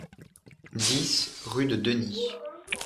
dix rue de Denny